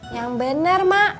yang bener mak